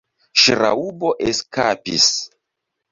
Ŝraŭbo eskapis.